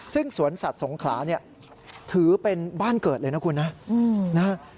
ซึ่งสวนสัตว์สงขลาเนี่ยถือเป็นบ้านเกิดเลยนะคุณนะ